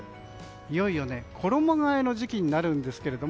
いよいよ衣替えの時期になるんですけれど